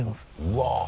うわ！